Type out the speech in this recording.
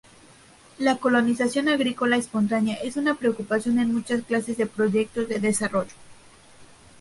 La colonización agrícola espontánea es una preocupación en muchas clases de proyectos de desarrollo.